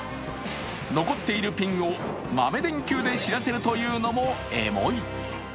残っているピンを豆電球で知らせるというのもエモい。